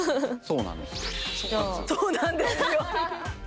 そうなんですよ。